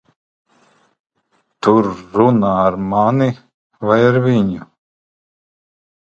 Tu runā ar mani vai ar viņu?